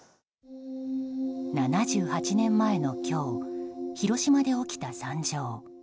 ７８年前の今日広島で起きた惨状。